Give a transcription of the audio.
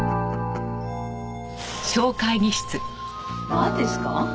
なんですか？